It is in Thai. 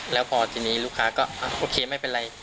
แล้วพอทีนี้ลูกค้าก็โอเคไม่เป็นไร